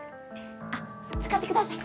あっ使ってください。